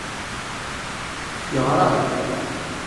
Yeɣra-d.